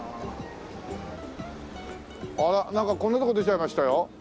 あらなんかこんなとこ出ちゃいましたよ。